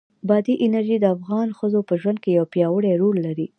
بادي انرژي د افغان ښځو په ژوند کې یو پیاوړی رول لري.